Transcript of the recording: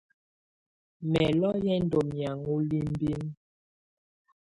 Mɛlɔ yɛ ndɔ́ mɛ̀ágɔ̀á libinǝ.